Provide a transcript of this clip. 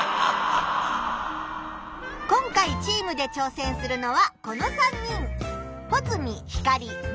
今回チームでちょうせんするのはこの３人。